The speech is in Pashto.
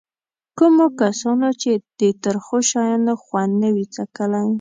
کومو کسانو چې د ترخو شیانو خوند نه وي څکلی.